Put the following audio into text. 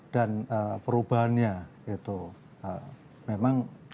dan perubahannya itu memang kita sederhana